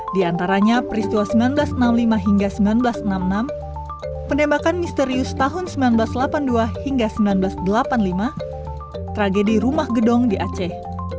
di antaranya peristiwa seribu sembilan ratus enam puluh lima hingga seribu sembilan ratus enam puluh enam penembakan misterius tahun seribu sembilan ratus delapan puluh dua hingga seribu sembilan ratus delapan puluh lima tragedi rumah gedong di aceh